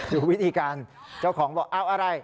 ดูวิธีการเจ้าของบอกเอาอะไร